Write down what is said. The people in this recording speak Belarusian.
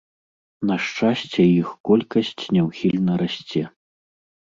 На шчасце, іх колькасць няўхільна расце.